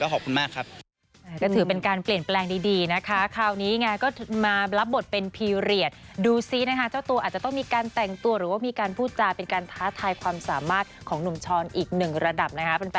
ขอบคุณมากครับ